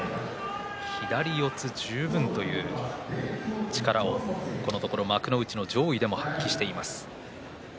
左四つ十分という力をこのところ幕内の上位でも発揮しています。